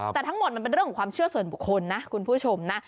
แต่ทั้งหมดมันเป็นเรื่องของความเชื่อเสริมบุคคลนะ